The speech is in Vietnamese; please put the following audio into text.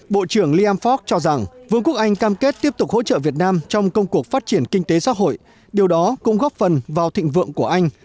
bộ trưởng liamfast cho rằng vương quốc anh cam kết tiếp tục hỗ trợ việt nam trong công cuộc phát triển kinh tế xã hội điều đó cũng góp phần vào thịnh vượng của anh